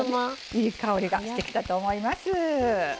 いい香りがしてきたと思います。